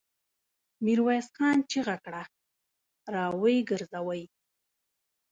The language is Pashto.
ميرويس خان چيغه کړه! را ويې ګرځوئ!